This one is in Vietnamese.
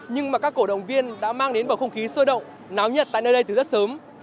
nhưng mà các cổ động viên đã mang đến bầu không khí sôi động náo nhiệt tại nơi đây từ rất sớm